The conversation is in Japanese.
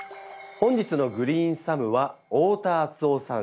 本日のグリーンサムは太田敦雄さんです。